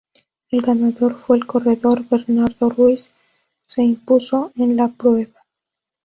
El ganador fue el corredor Bernardo Ruiz se impuso en la prueba.